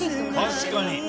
確かに。